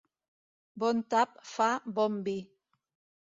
Bon tap fa bon vi.